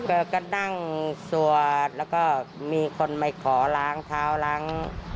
ก็นั่งสวดแล้วก็มีคนมาขอล้างเท้าล้าง